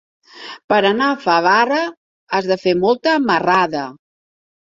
Per anar a Favara has de fer molta marrada.